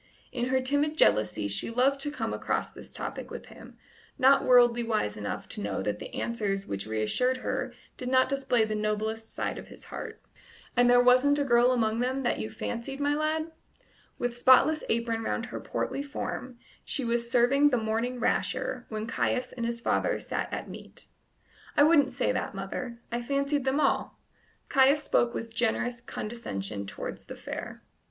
In her timid jealousy she loved to come across this topic with him, not worldly wise enough to know that the answers which reassured her did not display the noblest side of his heart. "And there wasn't a girl among them all that you fancied, my lad?" With spotless apron round her portly form she was serving the morning rasher while Caius and his father sat at meat. "I wouldn't say that, mother: I fancied them all." Caius spoke with generous condescension towards the fair.